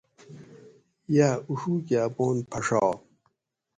یا اُڛو کہ اپان پھڛاں